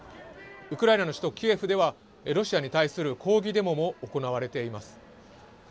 ウクライナの首都、キエフではロシアに対する抗議デモも行われています。